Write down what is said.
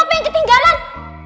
apa yang ketinggalan